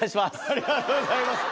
ありがとうございます。